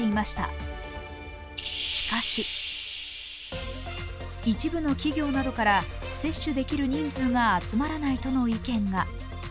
しかし一部の企業などから接種できる人数が集まらないとの意見が。